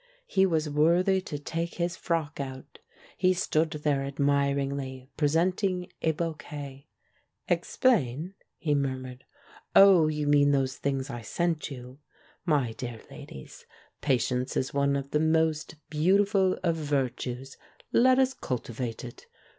He was worthy to take his frock out. He stood there admiringly, pre senting a bouquet. "Explain?" he murmured. "Oh, you mean those things I sent you? My dear ladies, pa tience is one of the most beautiful of virtues —• let us cultivate it